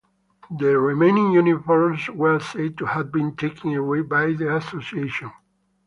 The remaining uniforms were said to have been taken away by the association.